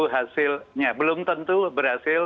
hasilnya belum tentu berhasil